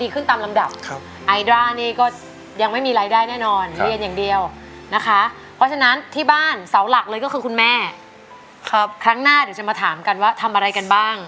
ครั้งหน้าเดี๋ยวจะมาถามกันว่าทำอะไรกันบ้าง